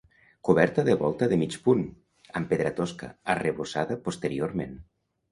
Coberta de volta de mig punt, amb pedra tosca, arrebossada posteriorment.